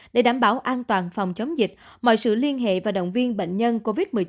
để đảm bảo an toàn phòng chống dịch mọi sự liên hệ và động viên bệnh nhân covid một mươi chín